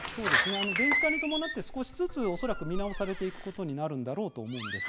電子化に伴って少しずつ見直しされていくことになるんだろうと思います。